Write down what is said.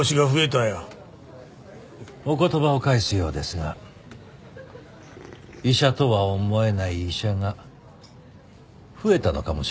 お言葉を返すようですが医者とは思えない医者が増えたのかもしれませんよ。